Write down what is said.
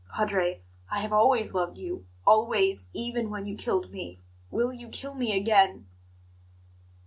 Padre, I have always loved you always, even when you killed me will you kill me again?"